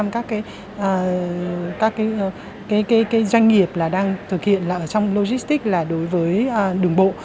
các doanh nghiệp đang thực hiện trong logistic là đối với đường bộ